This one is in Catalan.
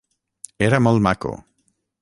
Era molt maco.